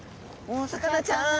お魚ちゃん。